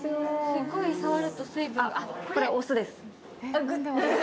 すごい触ると水分が。